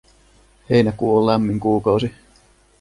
Heinäkuu on lämmin kuukausi.